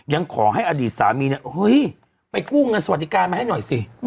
ยังขอให้อดีตสามีเนี่ยเฮ้ยไปกู้เงินสวัสดิการมาให้หน่อยสิ